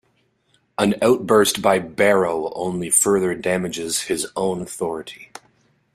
An outburst by Barrow only further damages his own authority.